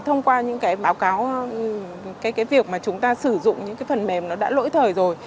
thông qua những cái báo cáo cái việc mà chúng ta sử dụng những cái phần mềm nó đã lỗi thời rồi